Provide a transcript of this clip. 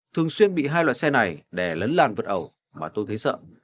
thường xuyên bị hai loại xe này đẻ lấn làn vượt ẩu mà tôi thấy sợ